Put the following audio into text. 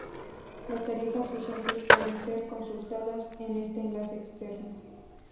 Las tarifas vigentes pueden ser consultadas en este enlace externo.